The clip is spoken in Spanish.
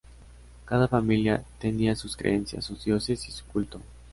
Cada familia tenía sus creencias, sus dioses y su culto.